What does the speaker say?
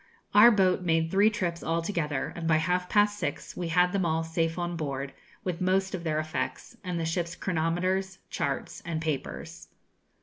Our boat made three trips altogether, and by half past six we had them all safe on board, with most of their effects, and the ship's chronometers, charts, and papers.